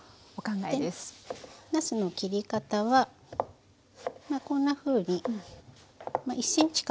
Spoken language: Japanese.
なすの切り方はまあこんなふうに１センチ角。